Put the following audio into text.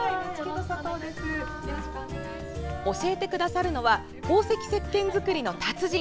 教えてくださるのは宝石せっけん作りの達人